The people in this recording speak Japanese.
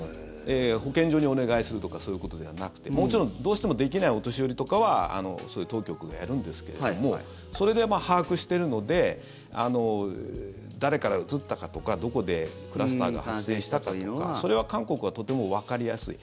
保健所にお願いするとかそういうことではなくてもちろん、どうしてもできないお年寄りとかは当局がやるんですけれどもそれで把握しているので誰からうつったかとかどこでクラスターが発生したかとかそれは韓国はとてもわかりやすい。